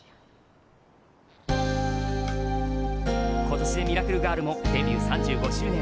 今年で「ミラクル・ガール」もデビュー３５周年。